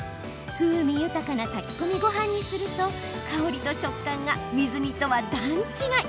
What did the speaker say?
風味豊かな炊き込みごはんにすると香りと食感が水煮とは段違い。